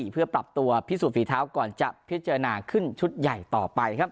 เพื่อปรับตัวพิสูจนฝีเท้าก่อนจะพิจารณาขึ้นชุดใหญ่ต่อไปครับ